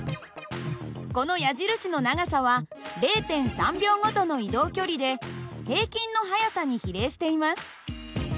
この矢印の長さは０．３秒ごとの移動距離で平均の速さに比例しています。